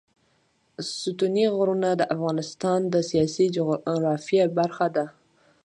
ستوني غرونه د افغانستان د سیاسي جغرافیه برخه ده.